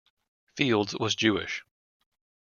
Fields was Jewish.